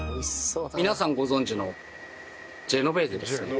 皆さんご存じのジェノベーゼですね。